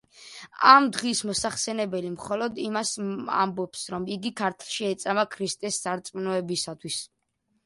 ამ დღის მოსახსენებელი მხოლოდ იმას ამბობს, რომ იგი ქართლში ეწამა ქრისტეს სარწმუნოებისათვის.